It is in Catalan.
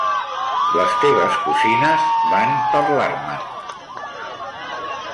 Les teves cosines van parlar-me'n